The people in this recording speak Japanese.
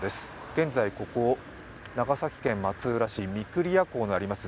現在、ここ長崎県松浦市、御厨港のあります